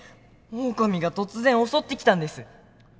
オオカミが突然襲ってきたんです！